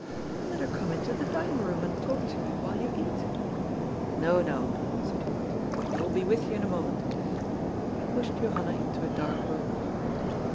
" Let her come into the dining room, and talk to you while you eat." " No, no," said Hubert. " I will be with you in a mo ment." He pushed Johanna into a dark room.